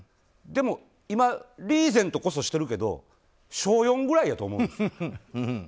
でも、今リーゼントこそしてるけど小４ぐらいやと思うんです。